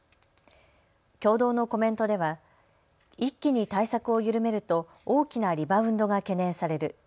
共同のコメントでは一気に対策を緩めると大きなリバウンドが懸念される。